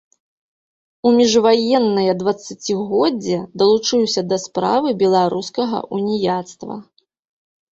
У міжваеннае дваццацігоддзе далучыўся да справы беларускага ўніяцтва.